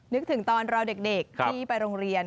นึกถึงตอนรอเด็กที่ไปโรงเรียน